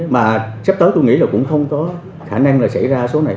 mà sắp tới tôi nghĩ là cũng không có khả năng là xảy ra số này